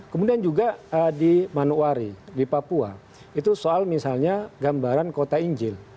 kemudian juga di manuwari di papua itu soal misalnya gambaran kota injil